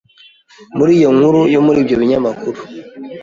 Muri iyo nkuru yo muri ibyo binyamakuru,